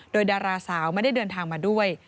โดยดาราสาวไม่ได้เดินทางมาด้วย